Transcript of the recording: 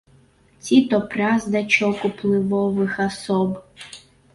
Ці то праз дачок уплывовых асоб.